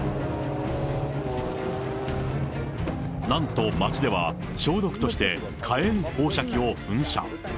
なんと町では、消毒として、火炎放射器を噴射。